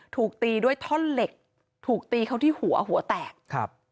ถูกตีด้วยท่อนเหล็กถูกตีเขาที่หัวหัวแตกครับ